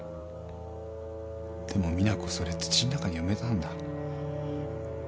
でも実那子それ土ん中に埋めたんだ。